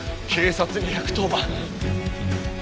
警察に１１０番！